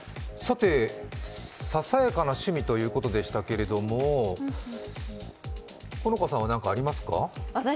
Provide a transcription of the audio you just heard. ささやかな趣味ということでしたけれども、好花さんは何かありますか？